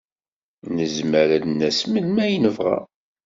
Nezmer ad d-nas melmi ay nebɣa.